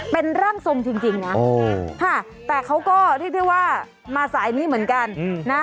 เป็นร่างทรงจริงนะแต่เขาก็เรียกได้ว่ามาสายนี้เหมือนกันนะ